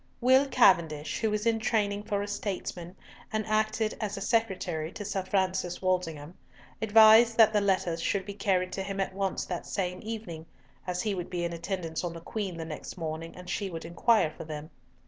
Will Cavendish, who was in training for a statesman, and acted as a secretary to Sir Francis Walsingham, advised that the letters should be carried to him at once that same evening, as he would be in attendance on the Queen the next morning, and she would inquire for them.